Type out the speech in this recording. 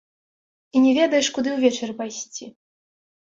І не ведаеш, куды ўвечары пайсці.